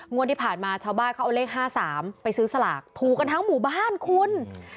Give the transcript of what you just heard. งวดที่ผ่านมาชาวบ้านเขาเอาเลข๕๓ไปซื้อสลากถูกกันทั้งหมู่บ้านคุณ